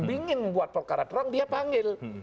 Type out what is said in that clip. ingin membuat perkara terang dia panggil